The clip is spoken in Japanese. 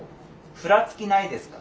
ふらつきないですか？